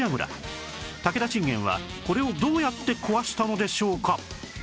武田信玄はこれをどうやって壊したのでしょうか？